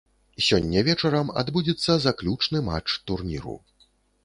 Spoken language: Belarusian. Сёння вечарам адбудзецца заключны матч турніру.